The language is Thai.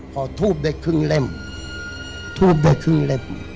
พอทูบได้ครึ่งเล่มทูบได้ครึ่งเล่ม